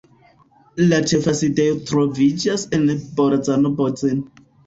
La ĉefa sidejo troviĝas en Bolzano-Bozen.